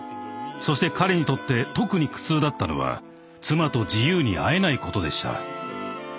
そして彼にとって特に苦痛だったのは妻と自由に会えないことでした。